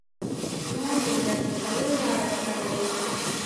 موږ د مرستې څلور ډالره کموو.